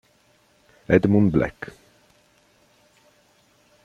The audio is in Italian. Edmund Black